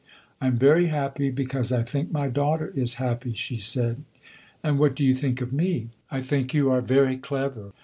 "I am very happy, because I think my daughter is happy," she said. "And what do you think of me?" "I think you are very clever.